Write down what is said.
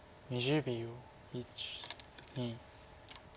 １２。